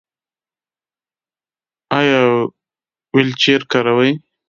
ایا ویلچیر کاروئ؟